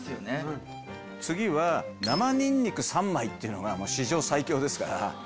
次は生ニンニク３枚が史上最強ですから。